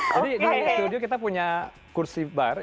jadi di studio kita punya kursi bar